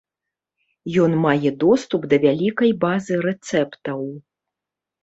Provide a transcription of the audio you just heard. Ён мае доступ да вялікай базы рэцэптаў.